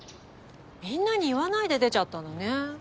みんなに言わないで出ちゃったのね。